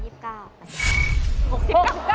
๑๒๙บาท